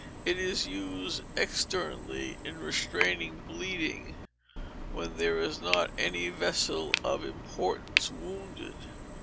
It is used externally in restraining bleeding, when there is not any vessel of importance wounded.